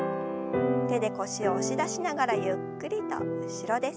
手で腰を押し出しながらゆっくりと後ろです。